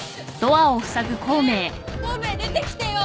ねえ孔明出てきてよ！